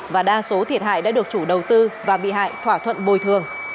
và đa số thiệt hại đã được chủ đầu tư và bị hại thỏa thuận bồi thường